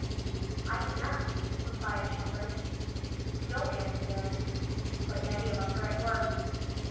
"I cannot," replied Shepard. "No man can. But many of us are at work."